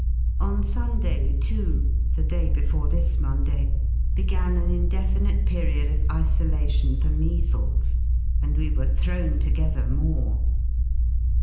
On Sunday, too (the day before this Monday), began an indefinite period of isolation for measles, and we were thrown together more.